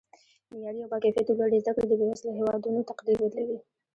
معیاري او با کیفته لوړې زده کړې د بیوزله هیوادونو تقدیر بدلوي